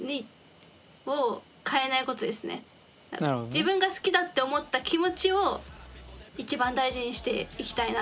自分が好きだって思った気持ちを一番大事にしていきたいなと思いました。